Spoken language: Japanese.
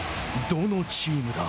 どのチームだ！！